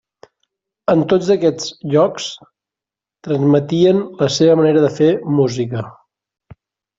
En tots aquests llocs, transmetien la seva manera de fer música.